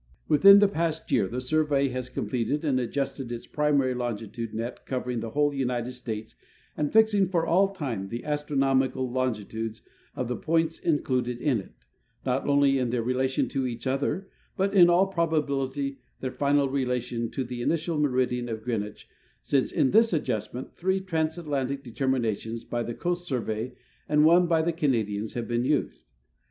Within the past 3'ear the Survey has completed and adjusted its primary longitude net covering the whole United States and fixing for all time the astronomical longitudes of the points in cluded in it, not only in their relation to each other, but, in all probability, their final relation to the initial meridian of Green wich, since in this adjustment three transatlantic determinations by the Coast Survey and one by the Canadians have been used.